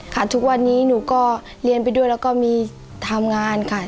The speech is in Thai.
ทุกวันนี้หนูก็เรียนไปด้วยแล้วก็มีทำงานค่ะ